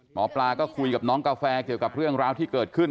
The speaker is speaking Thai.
หมอปลาก็คุยกับน้องกาแฟเกี่ยวกับเรื่องราวที่เกิดขึ้น